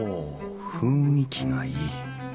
雰囲気がいい。